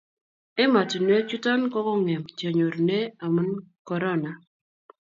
ematunwek chuton ko kongem chenyorume amun korona